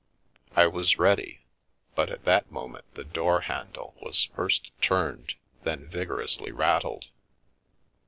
I was ready, but at that moment the door handle was first turned, then vigorously rattled.